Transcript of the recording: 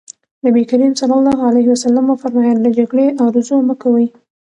نبي کريم ص وفرمايل له جګړې ارزو مه کوئ.